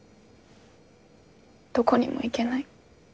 どこにも行けない。